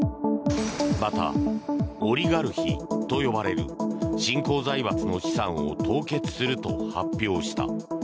また、オリガルヒと呼ばれる新興財閥の資産を凍結すると発表した。